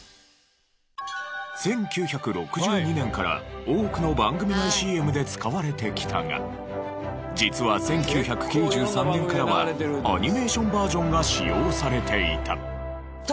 １９６２年から多くの番組内ＣＭで使われてきたが実は１９９３年からはアニメーションバージョンが使用されていた。